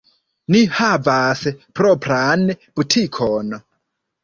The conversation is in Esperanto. Ni havas propran butikon.